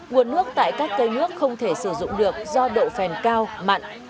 nguồn nước tại các cây nước không thể sử dụng được do độ phèn cao mặn